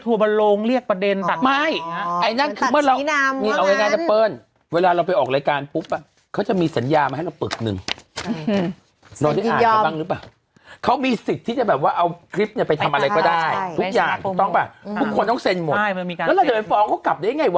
อ๋อแต่อันนี้เขาฟ้องไอ้นี่ไงอะไรนะยักยอกป่ะ